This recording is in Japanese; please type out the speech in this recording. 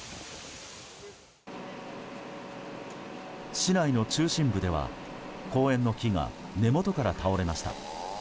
市内の中心部では公園の木が根元から倒れました。